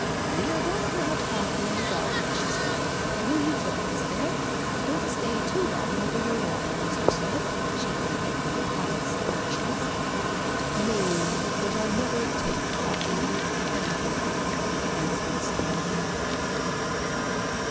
"We are going to have coffee in the garden," she said. "Will you join us there? Don't stay too long over your water, Mr. Smith," she added, with pious archness. "No; but I never take coffee, thank you," he answered solemnly.